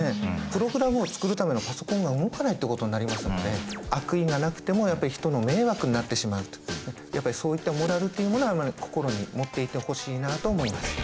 プログラムを作るためのパソコンが動かないってことになりますので悪意がなくてもやっぱり人の迷惑になってしまうとやっぱりそういったモラルっていうものは心に持っていてほしいなと思います。